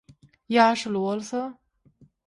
Ýaşuly bolsa: